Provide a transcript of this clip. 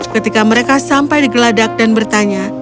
ketika mereka sampai di geladak dan bertanya